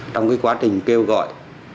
trong quá trình kêu gọi